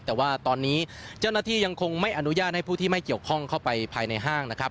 แต่ว่าตอนนี้เจ้าหน้าที่ยังคงไม่อนุญาตให้ผู้ที่ไม่เกี่ยวข้องเข้าไปภายในห้างนะครับ